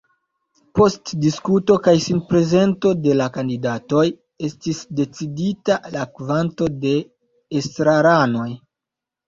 Post diskuto kaj sinprezento de la kandidatoj estis decidita la kvanto de estraranoj.